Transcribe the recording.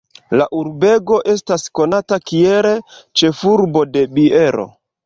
La urbego estas konata kiel "Ĉefurbo de biero".